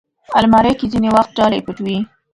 الماري کې ځینې وخت ډالۍ پټ وي